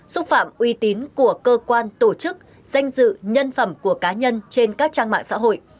xúc phạm uy tín của cơ quan tổ chức danh dự nhân phẩm của cá nhân trên các trang mạng xã hội